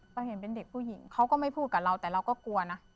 พอเห็นเป็นเด็กผู้หญิงเขาก็ไม่พูดกับเราแต่เราก็กลัวนะ